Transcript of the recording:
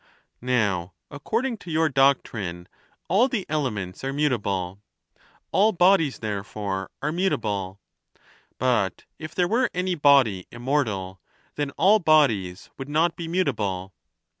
Now, according to your doctrine, all the elements are mutable ; all bodies, therefore, are mutable. But if there were any body immortal, then all bodies would not be mutable.